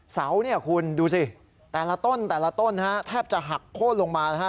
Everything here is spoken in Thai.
เสาเนี่ยคุณดูสิแต่ละต้นแต่ละต้นนะฮะแทบจะหักโค้นลงมานะฮะ